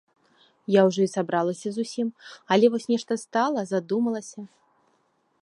Я ўжо і сабралася зусім, але вось нешта стала, задумалася.